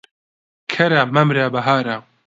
کەرە مەمرە بەهارە.